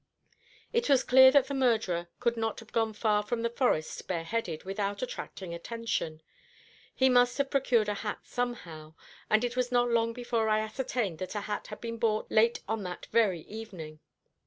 It was clear that the murderer could not have gone far from the forest bare headed, without attracting attention. He must have procured a hat somehow; and it was not long before I ascertained that a hat had been bought late on that very evening.